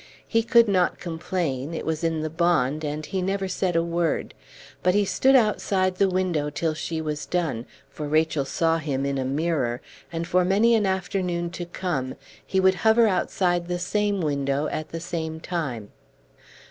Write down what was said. He could not complain; it was in the bond, and he never said a word. But he stood outside the window till she was done, for Rachel saw him in a mirror, and for many an afternoon to come he would hover outside the same window at the same time.